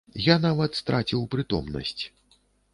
Я нават страціў прытомнасць.